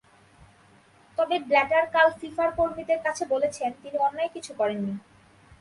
তবে ব্ল্যাটার কাল ফিফার কর্মীদের কাছে বলেছেন, তিনি অন্যায় কিছু করেননি।